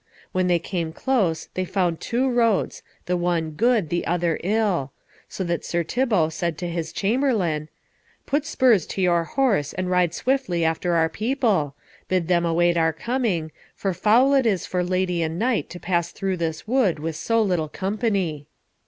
When they came close they found two roads, the one good, the other ill; so that Sir Thibault said to his chamberlain, "Put spurs to your horse, and ride swiftly after our people. Bid them await our coming, for foul it is for lady and knight to pass through this wood with so little company."